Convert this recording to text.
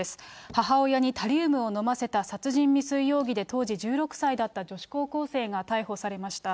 母親にタリウムを飲ませた殺人未遂容疑で、当時１６歳だった女子高校生が逮捕されました。